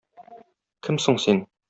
Кем соң син?